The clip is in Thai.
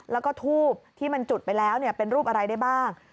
แล้วก็ทูบที่มันจุดไปแล้วเป็นรูปอะไรได้บ้าง